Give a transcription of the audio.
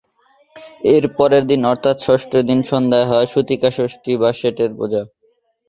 এর পরের দিন অর্থাৎ ষষ্ঠদিন সন্ধ্যায় হয় সূতিকাষষ্ঠী বা ষেটের পূজা।